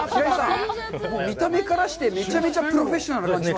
見た目からしてめちゃめちゃプロフェッショナルですね。